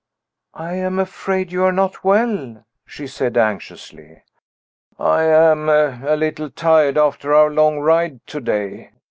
"I am afraid you are not well," she said anxiously. "I am a little tired after our long ride to day.